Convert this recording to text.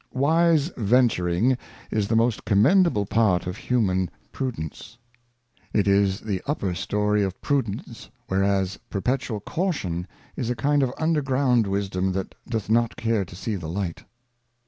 WISE Venturing is the most commendable Part of human Boldiies>i. Prudence. It is the upper Story of Prudence, whereas perpetual Caution is a kind of under ground Wisdom that doth not care to see the Light.